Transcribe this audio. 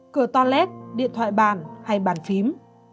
cửa toilet điện thoại bàn hay bàn phím